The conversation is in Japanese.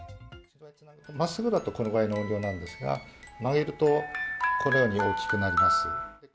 まっすぐだとこのぐらいの音量なんですが、曲げると、このように大きくなります。